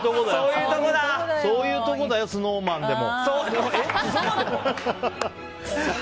そういうとこだよＳｎｏｗＭａｎでも。